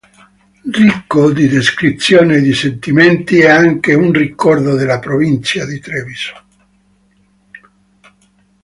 Ricco di descrizioni e di sentimenti è anche un "Ricordo della provincia di Treviso".